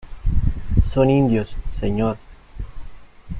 son indios, señor...